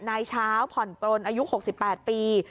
นายเช้าผ่อนปลนอายุหกสิบแปดปี